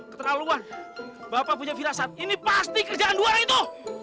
keterlaluan bapak punya firasat ini pasti kerjaan dua itu